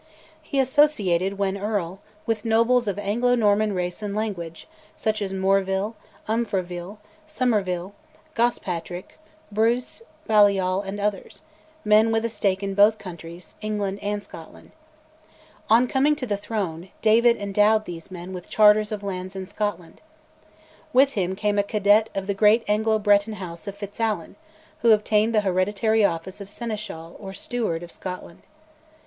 He associated, when Earl, with nobles of Anglo Norman race and language, such as Moreville, Umfraville, Somerville, Gospatric, Bruce, Balliol, and others; men with a stake in both countries, England and Scotland. On coming to the throne, David endowed these men with charters of lands in Scotland. With him came a cadet of the great Anglo Breton House of FitzAlan, who obtained the hereditary office of Seneschal or Steward of Scotland.